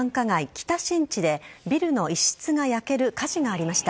北新地でビルの一室が焼ける火事がありました。